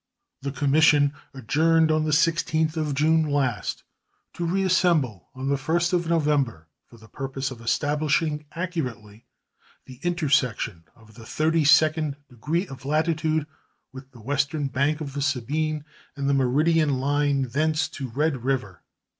The commission adjourned on the 16th of June last, to reassemble on the 1st of November for the purpose of establishing accurately the intersection of the thirty second degree of latitude with the western bank of the Sabine and the meridian line thence to Red River.